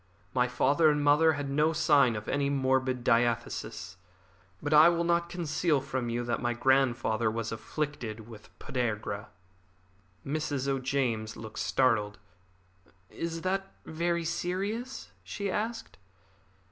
My father and mother had no sign of any morbid diathesis, but I will not conceal from you that my grandfather was afflicted with podagra." Mrs. O'James looked startled. "Is that very serious?" she asked.